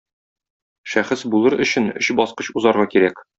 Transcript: Шәхес булыр өчен өч баскыч узарга кирәк.